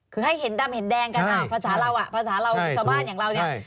คือให้เห็นดำเห็นแดงกันภาษาเราอ่ะภาษาเราชาวบ้านอย่างเราเนี่ย